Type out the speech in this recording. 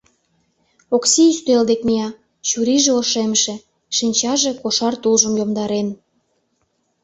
Окси ӱстел дек мия, чурийже ошемше, шинчаже кошар тулжым йомдарен.